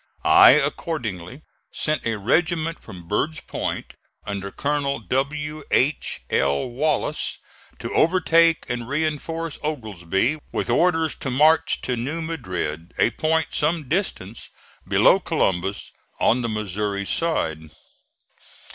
I accordingly sent a regiment from Bird's Point under Colonel W. H. L. Wallace to overtake and reinforce Oglesby, with orders to march to New Madrid, a point some distance below Columbus, on the Missouri side.